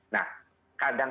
nah kadang kadang ya